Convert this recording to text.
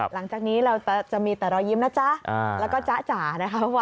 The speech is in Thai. หลังจากนี้จะมีแต่เรายิ้มนะจ๊ะแล้วก็จ๊ะจ่านะครับ